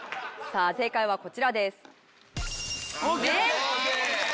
さあ正解はこちらです。